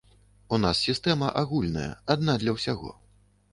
У нас сістэма агульная, адна для ўсяго.